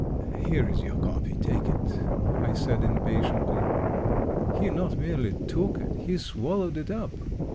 " Here is your copy — take it," I said impa tiently. He not merely took it, he swallowed it up.